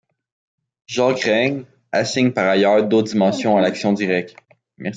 Jacques Rennes assigne, par ailleurs, d’autres dimensions à l’action directe.